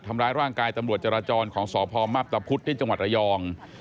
ทำร้ายร่างกายตำรวจจราจรของสพมับตะพุธที่จังหวัดระยอง